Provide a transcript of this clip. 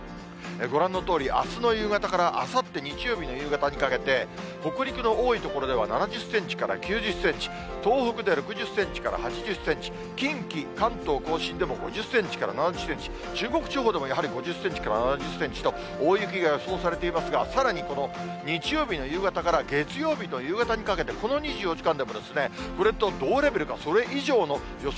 ご覧のとおり、あすの夕方からあさって日曜日の夕方にかけて、北陸の多い所では、７０センチから９０センチ、東北で６０センチから８０センチ、近畿、関東甲信でも５０センチから７０センチ、中国地方でもやはり５０センチから７０センチと、大雪が予想されていますが、さらにこの日曜日の夕方から月曜日の夕方にかけて、この２４時間でも、これと同レベルか、それ以上の予想